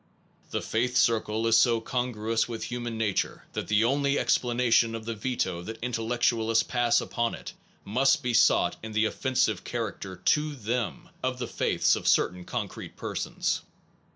The faith circle is so congruous with human nature that the only explanation of the veto that intellectualists pass upon it must be sought in the offensive character to them of the faiths of certain concrete persons.